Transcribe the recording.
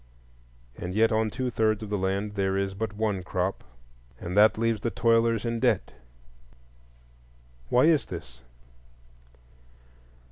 And yet on two thirds of the land there is but one crop, and that leaves the toilers in debt. Why is this?